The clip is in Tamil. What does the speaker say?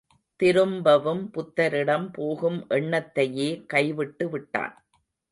திரும்பவும் புத்தரிடம் போகும் எண்ணத்தையே கைவிட்டுவிட்டான்.